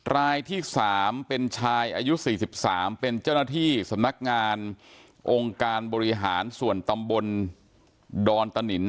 รายที่๓เป็นชายอายุ๔๓เป็นเจ้าหน้าที่สำนักงานองค์การบริหารส่วนตำบลดอนตะนิน